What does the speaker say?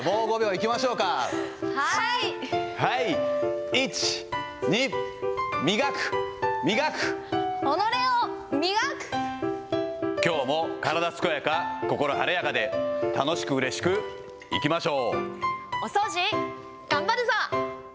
きょうも体健やか、心晴れやかで、楽しくうれしくいきましょう。